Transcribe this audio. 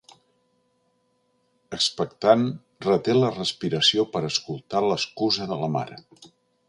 Expectant, reté la respiració per escoltar l'excusa de la mare.